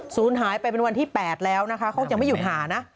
ศูนย์หายไปเป็นวันที่๘แล้วนะคะเขายังไม่หยุดหานะ